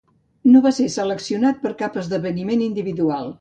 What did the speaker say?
No va ser seleccionat per cap esdeveniment individual.